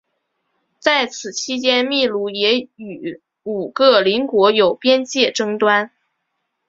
在此期间秘鲁也与五个邻国有边界争端。